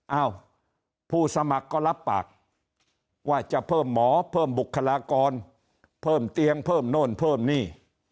เอ้าผู้สมัครก็รับปากว่าจะเพิ่มหมอเพิ่มบุคลากรเพิ่มเตียงเพิ่มโน่นเพิ่มนี่